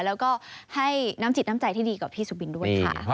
แล้วก็ให้น้ำจิตน้ำใจที่ดีกับพี่สุบินด้วยค่ะ